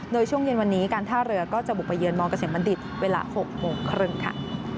โดยช่วงเย็นวันนี้การท่าเรือก็จะบุกไปเยือมเกษมบัณฑิตเวลา๖โมงครึ่งค่ะ